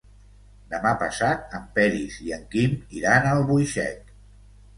Demà passat en Peris i en Quim iran a Albuixec.